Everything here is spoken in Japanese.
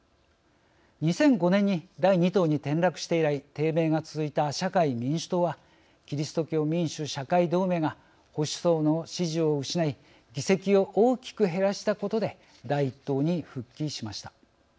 ２００５年に第２党に転落して以来低迷が続いた社会民主党はキリスト教民主社会同盟が保守層の支持を失い議席を大きく減らしたことで第１党に復帰しました。